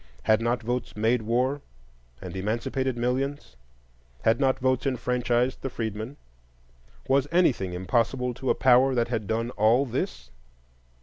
Had not votes made war and emancipated millions? Had not votes enfranchised the freedmen? Was anything impossible to a power that had done all this?